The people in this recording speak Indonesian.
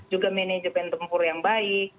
juga manajemen tempur yang baik